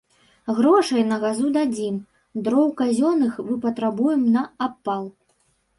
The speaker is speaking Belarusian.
Грошай на газу дадзім, дроў казённых выпатрабуем на апал.